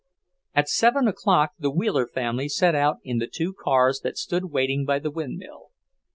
At seven o'clock the Wheeler family set out in the two cars that stood waiting by the windmill.